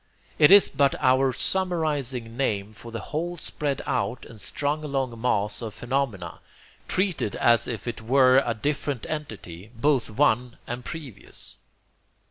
It is but our summarizing name for the whole spread out and strung along mass of phenomena, treated as if it were a different entity, both one and previous.